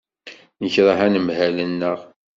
Nekṛeh anemhal-nneɣ.